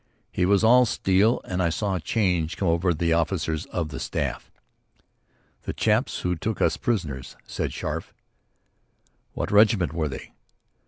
He was all steel, and I saw a change come over the officers of the staff. "The chaps that took us prisoners," said Scarfe. "What regiment were they?"